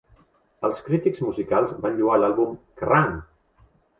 Els crítics musicals van lloar l'àlbum; Kerrang!